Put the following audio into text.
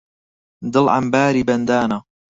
دڵ عەمباری بەندانە